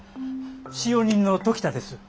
使用人の時田です。